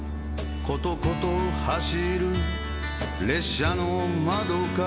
「コトコト走る列車の窓から」